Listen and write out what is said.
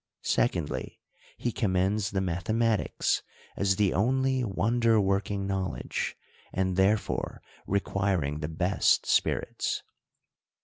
Secondly, he commends the mathematics, as the only wonder working know ledge, and therefore requiring the best spirits.